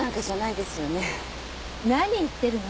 何言ってるの。